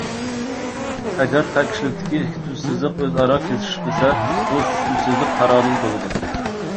ئەگەر تەكشىلىكتىكى ئىككى تۈز سىزىق ئۆزئارا كېسىشمىسە، بۇ ئىككى تۈز سىزىق پاراللېل بولىدۇ.